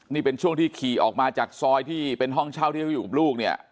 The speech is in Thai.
นี่เป็นช่วงที่ขี่ออกมาจากซอยที่เป็นห้องเช่าที่เขาอยู่กับลูกเนี่ย